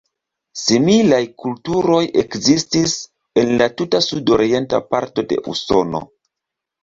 Similaj kulturoj ekzistis en la tuta sudorienta parto de Usono.